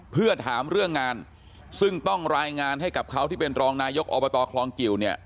เพื่อถามเรื่องงานซึ่งต้องรายงานให้กับเขาที่เป็นรองนายกอบตคลองกิวเนี่ย